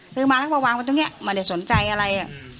ซื้อมาแล้วก็วางไว้ตรงนี้ไม่ได้สนใจอะไร